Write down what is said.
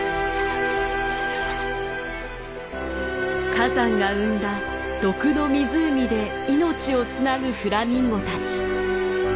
火山が生んだ毒の湖で命をつなぐフラミンゴたち。